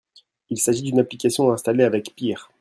Il s'agit d'une application à installer avec PEAR